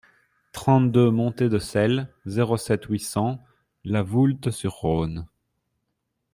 trente-deux montée de Celles, zéro sept, huit cents La Voulte-sur-Rhône